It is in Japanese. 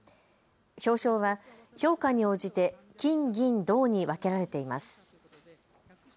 表彰は評価に応じて金、銀、銅に分けられています。